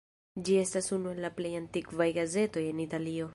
Ĝi estas unu el plej antikvaj gazetoj en Italio.